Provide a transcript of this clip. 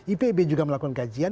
ipb juga melakukan kajian